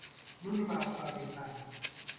รุ่นราวคราวเดียวกัน